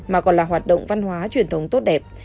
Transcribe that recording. mà còn là hoạt động văn hóa truyền thống tốt đẹp